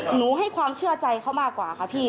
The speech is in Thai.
หนูให้ความเชื่อใจเขามากกว่าค่ะพี่